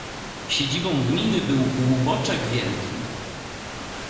Siedzibą gminy był Hłuboczek Wielki.